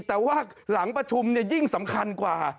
แต่ว่าหลังประชุมยิ่งสำคัญกว่า